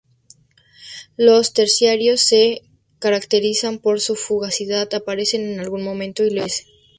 Los terciarios se caracterizan por su fugacidad, aparecen en algún momento y luego desaparecen.